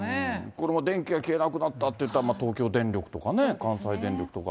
これも電気が消えなくなったっていったら東京電力とかね、関西電力とか。